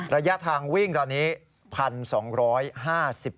ระยะทางวิ่งตอนนี้